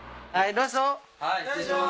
どうぞ。